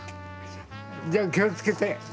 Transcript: じゃあ気をつけて。